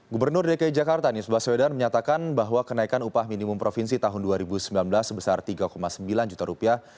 gubernur dki jakarta nisbah swedan menyatakan bahwa kenaikan upah minimum provinsi tahun dua ribu sembilan belas sebesar tiga sembilan juta rupiah